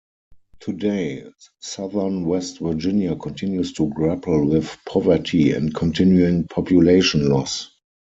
Today, Southern West Virginia continues to grapple with poverty and continuing population loss.